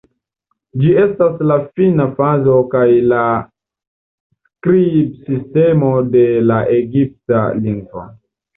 Ĝi estas la fina fazo kaj la skribsistemo de la egipta lingvo.